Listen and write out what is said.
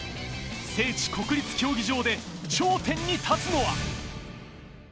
聖地・国立競技場で頂点に立つのは？